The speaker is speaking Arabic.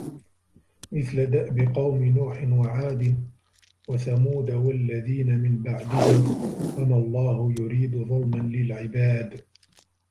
مِثلَ دَأبِ قَومِ نوحٍ وَعادٍ وَثَمودَ وَالَّذينَ مِن بَعدِهِم وَمَا اللَّهُ يُريدُ ظُلمًا لِلعِبادِ